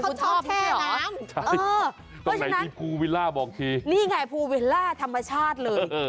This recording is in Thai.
เขาชอบแช่น้ำใช่ตรงไหนที่ภูวิลล่าบอกทีนี่ไงภูวิลล่าธรรมชาติเลย